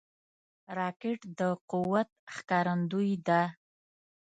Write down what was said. راکټ د قوت ښکارندوی ده